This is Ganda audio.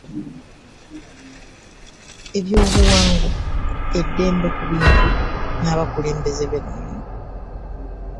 Ebyobuwangwa, eddembe ku bintu n’abakulembeze b’ennono.